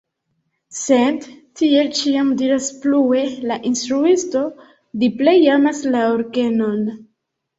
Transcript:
Sed, tiel ĉiam diras plue la instruisto, li plej amas la orgenon.